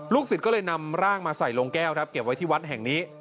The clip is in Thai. สิทธิ์ก็เลยนำร่างมาใส่ลงแก้วครับเก็บไว้ที่วัดแห่งนี้